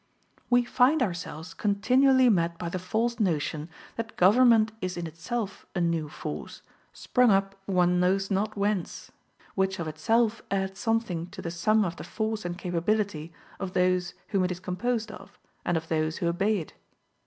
We find ourselves continually met by the false notion that government is in itself a new force, sprung up one knows not whence, which of itself adds something to the sum of the force and capability of those whom it is composed and of those who obey it.